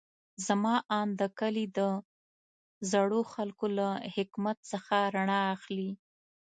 زما اند د کلي د زړو خلکو له حکمت څخه رڼا اخلي.